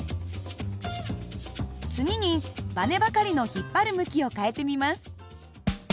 次にばねばかりの引っ張る向きを変えてみます。